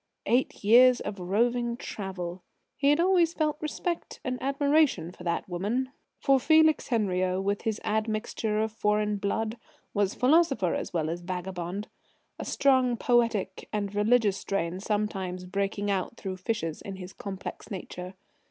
Eight years of roving travel! He had always felt respect and admiration for that woman. For Felix Henriot, with his admixture of foreign blood, was philosopher as well as vagabond, a strong poetic and religious strain sometimes breaking out through fissures in his complex nature.